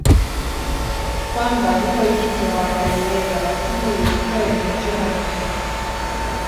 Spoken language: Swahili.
Kwamba hilo jitu hawataliweza lakini lilikuwa likichomwa mkuki